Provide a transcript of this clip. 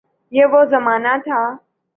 یہ وہ زمانہ تھا۔